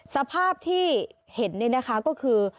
สภาพที่เห็นก็คือ